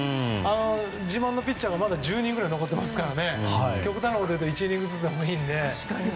自慢のピッチャーもまだ１０人ぐらい残ってますから極端なこというと１イニングずつでもいいので。